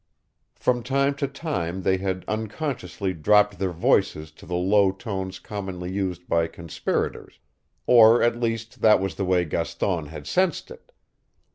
From time to time they had unconsciously dropped their voices to the low tones commonly used by conspirators, or at least that was the way Gaston had sensed it.